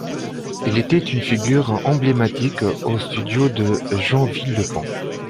Il était une figure emblématique aux Studios de Joinville-le-Pont.